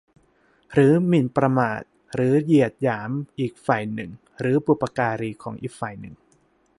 หรือหมิ่นประมาทหรือเหยียดหยามอีกฝ่ายหนึ่งหรือบุพการีของอีกฝ่ายหนึ่ง